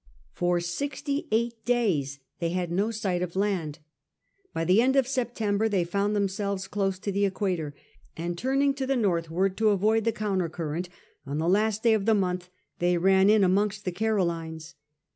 For sixty eight days they had no sight of land. By the end of September they found themselves close to the equator, and turning to the northward to avoid the counter current^ on the last day of the month they ran in amongst the Carolines.